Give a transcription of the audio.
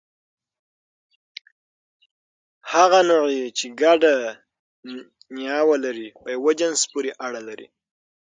هغه نوعې، چې ګډه نیا ولري، په یوه جنس پورې اړه لري.